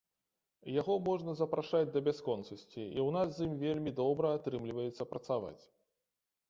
Яго можна запрашаць да бясконцасці, і ў нас з ім вельмі добра атрымліваецца працаваць.